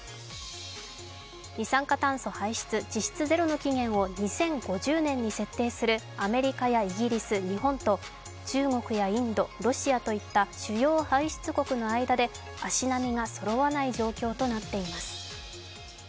二酸化炭素排出実質ゼロの期限を２０５０年に設定するアメリカやイギリス、日本と中国やインド、ロシアといった主要排出国の間で足並みがそろわない状況となっています。